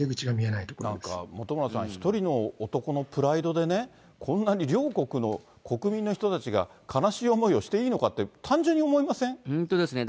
なんか本村さん、一人の男のプライドでね、こんなに両国の国民の人たちが悲しい思いをしていいのかって、単本当ですね。